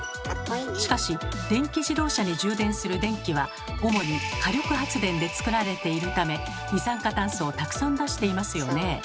しかし電気自動車に充電する電気は主に火力発電で作られているため二酸化炭素をたくさん出していますよねえ。